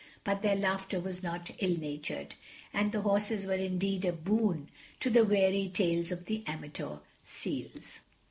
But their laughter was not ill natured. And the horses were indeed a boon to the weary tails of the amateur seals.